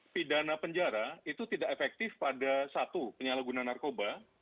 pidana penjara itu tidak efektif pada satu penyalahguna narkoba